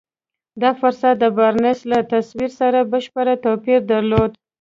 دا فرصت د بارنس له تصور سره بشپړ توپير درلود.